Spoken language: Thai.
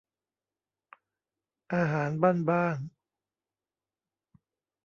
อาหารบ้านบ้าน